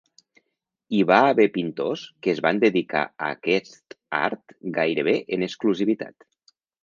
Hi va haver pintors que es van dedicar a aquest art gairebé en exclusivitat.